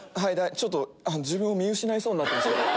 ちょっと自分を見失いそうになってます。